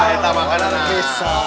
wah tambahkan anak bisa